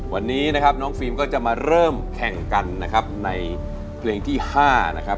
วันนี้นะครับน้องฟิล์มก็จะมาเริ่มแข่งกันนะครับในเพลงที่๕นะครับ